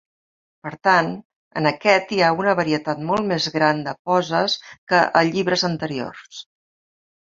Per tant, en aquest hi ha una varietat molt més gran de poses que a llibres anteriors.